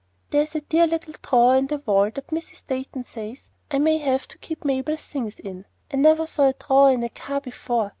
There's one dear little drawer in the wall that Mrs. Dayton says I may have to keep Mabel's things in. I never saw a drawer in a car before.